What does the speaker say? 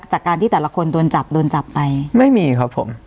จากการที่แต่ละคนโดนจับโดนจับไปไม่มีครับผม